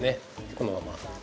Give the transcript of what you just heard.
このまま。